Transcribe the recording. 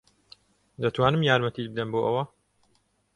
دەتوانم یارمەتیت بدەم بۆ ئەوە؟